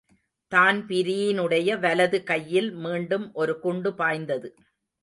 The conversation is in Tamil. தான்பிரீனுடைய வலது கையில் மீண்டும் ஒரு குண்டு பாய்ந்தது.